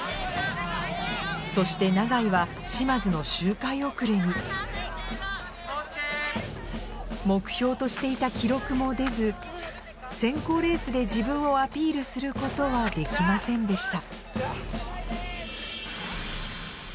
そして永井は嶋津の周回遅れに目標としていた記録も出ず選考レースで自分をアピールすることはできませんでした